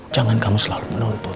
jangan kamu selalu menuntut